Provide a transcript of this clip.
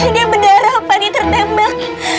dia berdarah paniternembek